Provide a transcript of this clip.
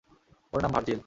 ওর নাম ভার্জিল।